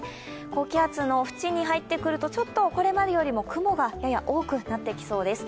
高気圧の縁に入ってくるとちょっとこれまでよりも雲がやや多くなってきそうです。